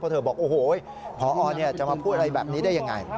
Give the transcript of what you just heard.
เธอบอกโอ้โหพอจะมาพูดอะไรแบบนี้ได้ยังไง